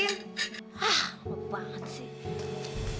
ah lebat banget sih